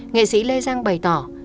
nghệ sĩ lê giang bày tỏ